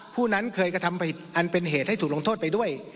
ผู้นั้นเคยกระทำผิดอันเป็นเหตุให้ถูกลงโทษไปด้วย